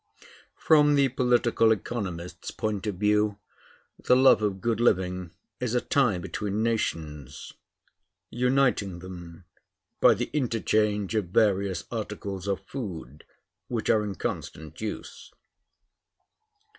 From the political economist's point of view, the love of good living is a tie between nations, uniting them by the interchange of various articles of food which are in constant use.